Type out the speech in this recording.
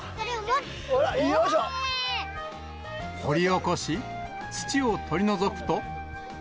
掘り起こし、土を取り除くと。